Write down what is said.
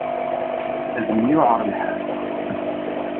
Ad m-yuεer lḥal.